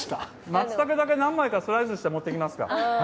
まつたけだけ何枚かスライスして持っていきますか。